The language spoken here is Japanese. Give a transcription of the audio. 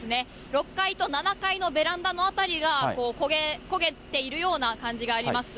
６階と７階のベランダの辺りが焦げているような感じがあります。